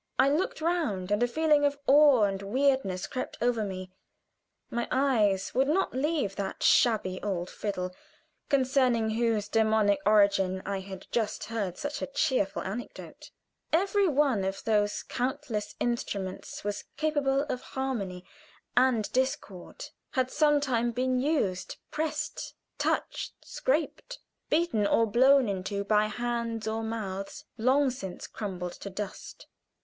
I looked round, and a feeling of awe and weirdness crept over me. My eyes would not leave that shabby old fiddle, concerning whose demoniac origin I had just heard such a cheerful little anecdote. Every one of those countless instruments was capable of harmony and discord had some time been used; pressed, touched, scraped, beaten or blown into by hands or mouths long since crumbled to dust.